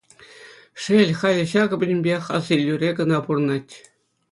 Шел, халӗ ҫакӑ пӗтӗмпех асаилӳре кӑна пурӑнать.